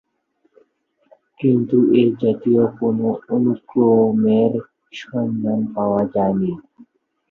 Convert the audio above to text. কিন্তু এ জাতীয় কোন অনুক্রমের সন্ধান পাওয়া যায়নি।